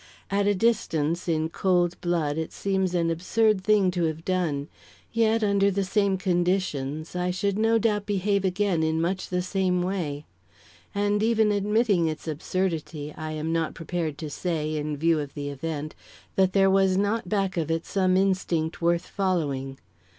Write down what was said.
At a distance, in cold blood, it seems an absurd thing to have done; yet, under the same conditions, I should no doubt behave again in much the same way. And even admitting its absurdity, I am not prepared to say, in view of the event, that there was not back of it some instinct worth following.